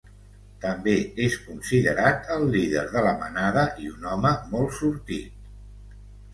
També és considerat el líder de la manada i un home molt sortit.